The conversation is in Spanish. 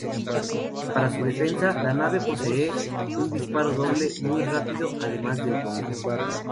Para su defensa, la nave posee un disparo doble muy rápido, además del "Bongo".